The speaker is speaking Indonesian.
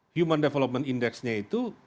human development index nya itu